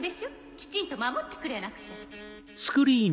きちんと守ってくれなくちゃ。